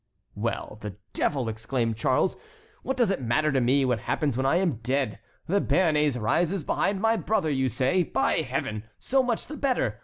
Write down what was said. "Well, the devil!" exclaimed Charles, "what does it matter to me what happens when I am dead? The Béarnais rises behind my brother, you say! By Heaven! so much the better!